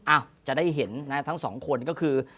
จะได้เห็นนะทั้งสองคนก็คือ